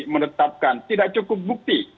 menetapkan tidak cukup bukti